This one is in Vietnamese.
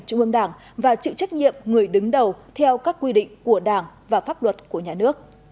trung ương đảng và chịu trách nhiệm người đứng đầu theo các quy định của đảng và pháp luật của nhà nước